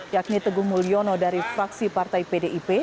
yakni teguh mulyono dari fraksi partai pdip